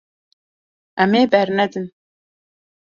Em ê bernedin.